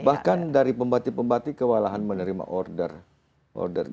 bahkan dari pembatik pembatik kewalahan menerima order order